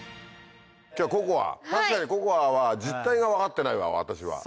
今日はココア確かにココアは実態が分かってないわ私は。